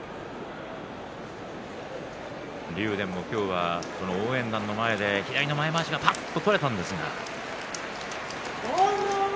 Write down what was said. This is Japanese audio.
竜電も今日は応援団の前で左の前まわしがぱっと取れたんですが。